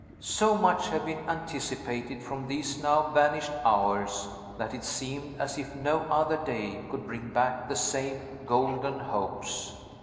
So much had been anticipated from these now vanished hours, that it seemed as if no other day could bring back the same golden hopes.